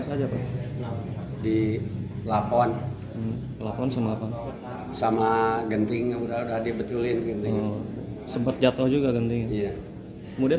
saja di lapon lapon sama ganting udah udah dibetulin sempet jatuh juga ganting kemudian